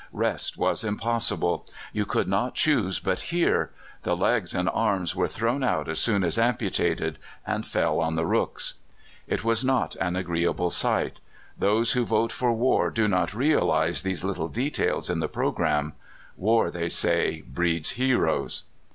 Rest was impossible. You could not choose but hear. The legs and arms were thrown out as soon as amputated, and fell on the rooks. It was not an agreeable sight. Those who vote for war do not realize these little details in the programme. War, they say, breeds heroes.